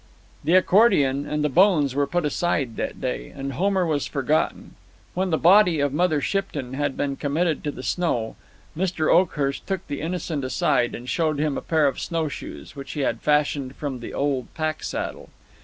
The accordion and the bones were put aside that day, and Homer was forgotten. When the body of Mother Shipton had been committed to the snow, Mr. Oakhurst took the Innocent aside, and showed him a pair of snowshoes, which he had fashioned from the old pack saddle.